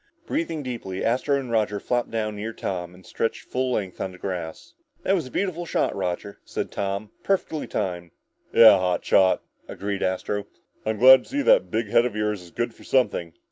Breathing deeply, Astro and Roger flopped down near Tom and stretched full length on the grass. "That was a beautiful shot, Roger," said Tom. "Perfectly timed!" "Yeah, hot shot," agreed Astro, "I'm glad to see that big head of yours is good for something!"